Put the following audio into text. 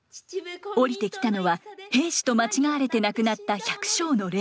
降りてきたのは兵士と間違われて亡くなった百姓の霊。